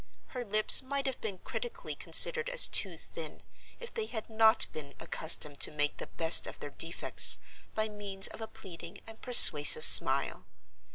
Her lips might have been critically considered as too thin, if they had not been accustomed to make the best of their defects by means of a pleading and persuasive smile.